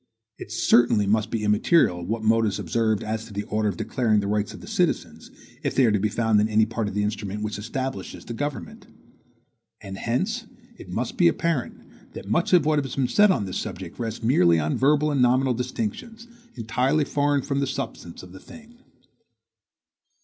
It certainly must be immaterial what mode is observed as to the order of declaring the rights of the citizens, if they are to be found in any part of the instrument which establishes the government. And hence it must be apparent, that much of what has been said on this subject rests merely on verbal and nominal distinctions, entirely foreign from the substance of the thing.